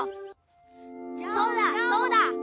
そうだそうだ！